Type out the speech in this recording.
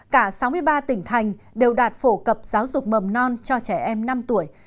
cả sáu mươi ba tỉnh thành đều đạt phổ cập giáo dục mầm non cho trẻ em năm tuổi